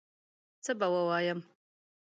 څه به ووایم